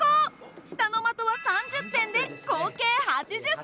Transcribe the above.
下の的は３０点で合計８０点！